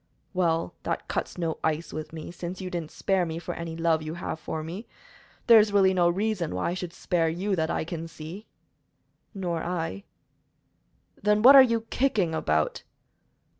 "Well, that cuts no ice with me, since you didn't spare me for any love you have for me. There is really no reason why I should spare you, that I can see." "Nor I." "Then what are you kicking about?"